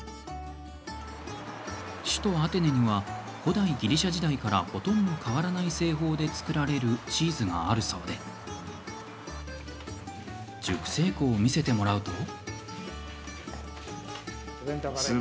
首都アテネには古代ギリシャ時代からほとんど変わらない製法で造られるチーズがあるそうで熟成庫を見せてもらうと。